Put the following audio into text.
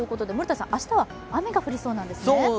明日は雨が降りそうなんですね。